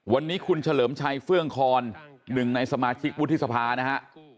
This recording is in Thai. วันนี้คุณเฉลิมชัยเฟื่องคอนหนึ่งในสมาชิกวุฒิสภานะฮะ